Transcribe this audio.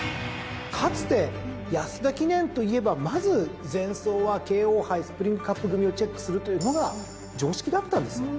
かつて安田記念といえばまず前走は京王杯スプリングカップ組をチェックするというのが常識だったんですね。